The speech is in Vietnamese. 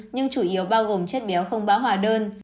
nhưng chủ yếu bao gồm chất béo không báo hòa đơn